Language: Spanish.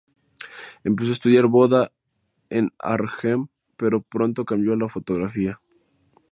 Empezó a estudiar moda en Arnhem, pero pronto cambió a la fotografía.